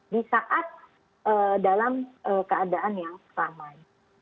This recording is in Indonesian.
di saat dalam keadaan yang selama ini